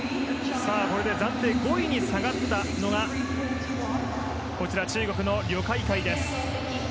これで暫定５位に下がったのが中国のロ・カイカイ。